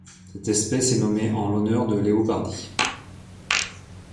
Cette espèce est nommée en l'honneur de Leo Pardi.